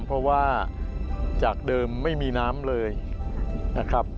เพราะว่าจากเดิมไม่มีน้ำเลยนะครับ